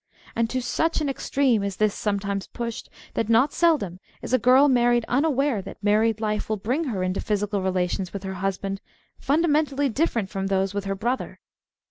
And to such an extreme is this sometimes pushed, that not seldom is a girl married unaware that married life will bring her into physical relations with her husband fundamentally different from those with her brother.